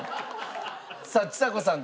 さあちさ子さん